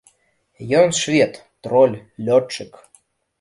Ён швед, троль, лётчык.